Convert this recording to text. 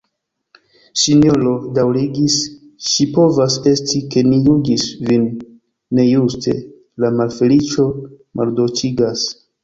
"Sinjoro, daŭrigis ŝi, povas esti, ke ni juĝis vin nejuste: la malfeliĉo maldolĉigas."